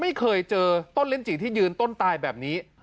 ไม่เคยเจอต้นลิ้นจี่ที่ยืนต้นตายแบบนี้